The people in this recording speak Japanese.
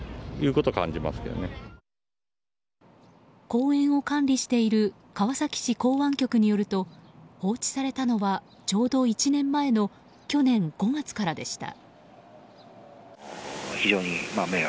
公園を管理している川崎市港湾局によりますと放置されたのはちょうど１年前の去年５月からでした。